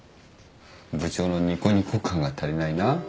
部長のニコニコ感が足りないな。